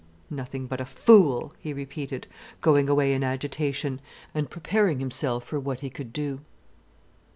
"Nothing but a fool," he repeated, going away in agitation, and preparing himself for what he could do.